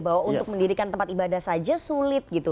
bahwa untuk mendirikan tempat ibadah saja sulit gitu